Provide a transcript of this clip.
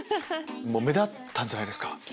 目立ったんじゃないですか？